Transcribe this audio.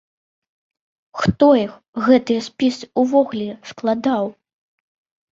Хто іх, гэтыя спісы, ўвогуле складаў?